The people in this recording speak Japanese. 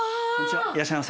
いらっしゃいませ。